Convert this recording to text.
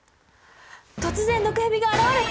突然毒蛇が現れた！